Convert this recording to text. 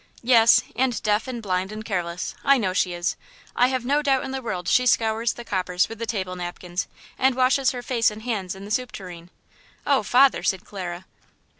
"Yes, and deaf and blind and careless. I know she is. I have no doubt in the world she scours the coppers with the table napkins and washes her face and hands in the soup tureen." "Oh, father!" said Clara.